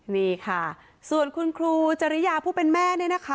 นี่ค่ะส่วนคุณครูจริยาผู้เป็นแม่เนี่ยนะคะ